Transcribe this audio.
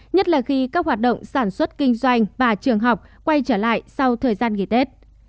nhất là khi các hoạt động sản xuất kinh doanh và trường học quay trở lại sau thời gian nghỉ tết